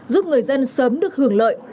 giúp người dân sớm được hưởng lợi từ đề án này